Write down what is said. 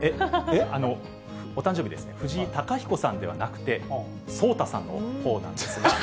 あの、お誕生日ですね、藤井貴彦さんではなくて、聡太さんのほうなんですが。